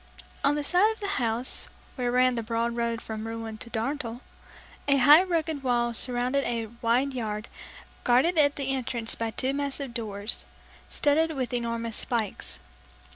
On the side of the house, where ran the broad road from Rouen to Darnetal, a high rugged wall surrounded a wide yard, guarded at the entrance by two massive doors, studded with enormous spikes.